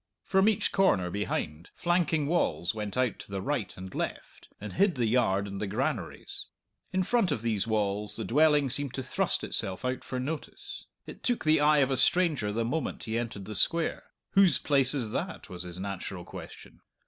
From each corner, behind, flanking walls went out to the right and left, and hid the yard and the granaries. In front of these walls the dwelling seemed to thrust itself out for notice. It took the eye of a stranger the moment he entered the Square. "Whose place is that?" was his natural question.